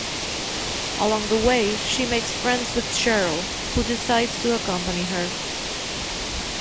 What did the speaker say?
Along the way, she makes friends with Sheryl, who decides to accompany her.